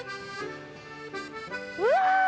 うわ！